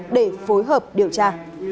để phối hợp điều tra